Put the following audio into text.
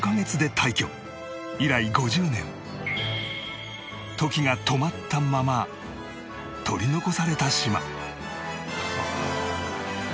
以来５０年時が止まったまま取り残された島